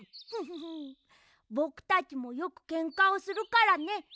フフフぼくたちもよくけんかをするからね。